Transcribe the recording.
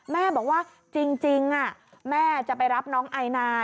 แม่บอกว่าจริงแม่จะไปรับน้องไอนา